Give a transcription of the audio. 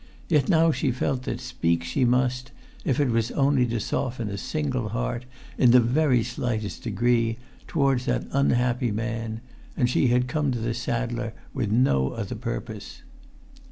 Yet now she felt that speak she must, if it was only to soften a single heart, in the very slightest degree, towards that unhappy man; and she had come to the saddler with no other purpose.